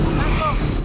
tidak tidak tidak